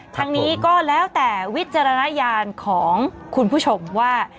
ทั้งนี้ก็แล้วแต่วิจารณญาณของคุณผู้ชมว่า